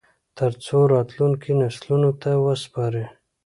ترڅو یې راتلونکو نسلونو ته وسپاري